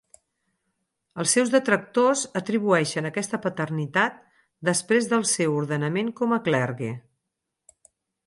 Els seus detractors atribueixen aquesta paternitat després del seu ordenament com a clergue.